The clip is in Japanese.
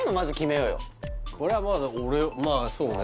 これはまあ俺まあそうね